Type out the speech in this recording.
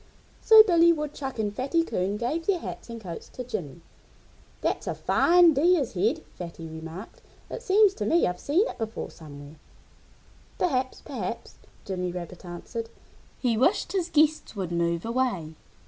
So Billy Woodchuck and Fatty Coon gave their hats and coats to Jimmy. "That's a fine Deer's head," Fatty remarked. "It seems to me I've seen it before somewhere." "Perhaps! Perhaps!" Jimmy Rabbit answered. He wished his guests would move away.